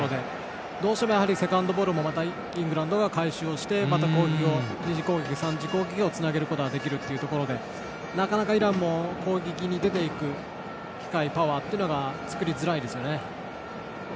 どうしてもセカンドボールもまたイングランドが回収をしてまた２次攻撃、３次攻撃につなげることができるということでなかなかイランも攻撃に出て行く機会パワーが作りづらいですね。